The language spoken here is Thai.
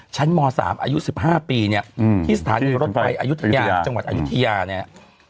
ม๓อายุ๑๕ปีเนี่ยที่สถานีรถไฟอายุทยาจังหวัดอายุทยาเนี่ย